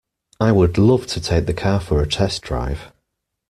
I would love to take the car for a test drive.